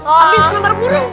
abis labrak burung